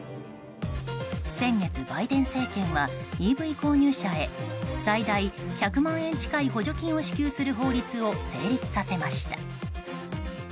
先月、バイデン政権はＥＶ購入者へ最大１００万円近い補助金を支給する法律を成立させました。